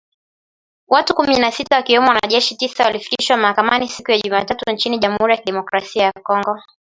Watu kumi na sita wakiwemo wanajeshi tisa walifikishwa mahakamani siku ya Jumatatu nchini Jamhuri ya Kidemokrasi ya Kongo.